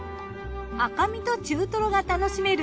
赤身と中トロが楽しめる